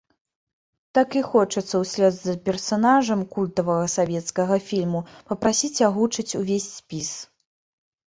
Так і хочацца ўслед за персанажам культавага савецкага фільма папрасіць агучыць увесь спіс.